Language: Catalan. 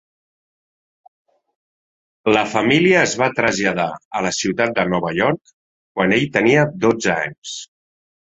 La família es va traslladar a la ciutat de Nova York quan ell tenia dotze anys.